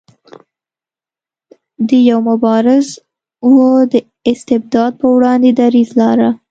دی یو مبارز و د استبداد په وړاندې دریځ لاره.